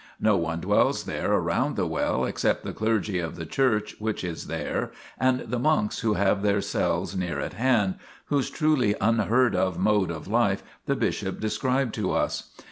No one dwells there around the well, except the clergy of the church which is there and the monks who have their cells near at hand, whose truly unheard of mode of life the bishop described to us.